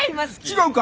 違うか！